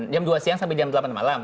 jam dua siang sampai jam delapan malam